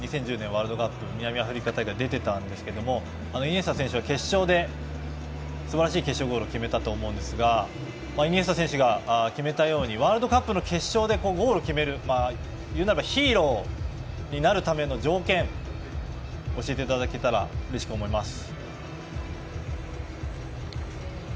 ワールドカップ南アフリカ大会に出ていたんですけどもイニエスタ選手は決勝ですばらしい決勝ゴールを決めたと思うんですがイニエスタ選手が決めたようにワールドカップの決勝でゴールを決める言うならばヒーローになるための条件を教えていただけたらうれしく思います。